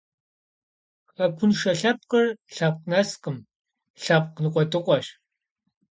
Хэкуншэ лъэпкъыр лъэпкъ нэскъым, лъэпкъ ныкъуэдыкъуэщ.